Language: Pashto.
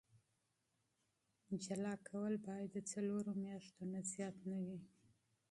جدا کول باید د څلورو میاشتو نه زیات نه وي.